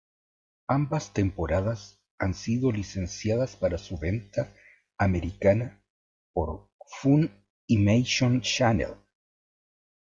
Ambas temporadas han sido licenciadas para su venta americana por Funimation Channel.